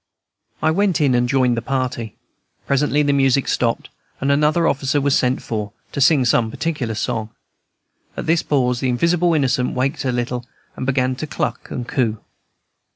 I went in, and joined the party. Presently the music stopped, and another officer was sent for, to sing some particular song. At this pause the invisible innocent waked a little, and began to cluck and coo.